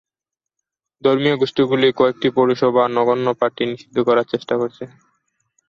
ধর্মীয় গোষ্ঠীগুলি কয়েকটি পৌরসভায় নগ্ন পার্টি নিষিদ্ধ করার চেষ্টা করেছে।